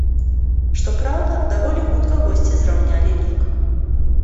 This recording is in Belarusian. Што праўда, даволі хутка госці зраўнялі лік.